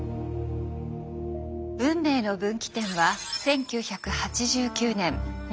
運命の分岐点は１９８９年２月２３日。